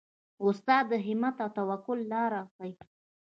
استاد د همت او توکل لاره ښيي.